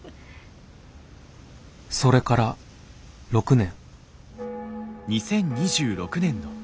「それから６年」。